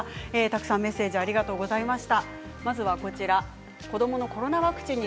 たくさんメッセージありがとうございます。